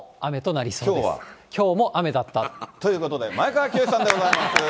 きょうは？ということで、前川清さんでございます。